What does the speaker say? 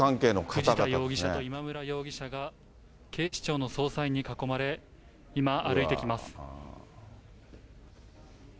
藤田容疑者と今村容疑者が警視庁の捜査員に囲まれ、今、歩いてきます。